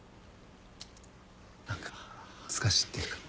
何か恥ずかしいっていうか。